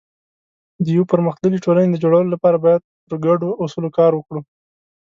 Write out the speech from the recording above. د یو پرمختللي ټولنې د جوړولو لپاره باید پر ګډو اصولو کار وکړو.